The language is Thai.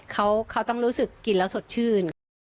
เขาต้องรู้สึกกินแล้วสดชื่น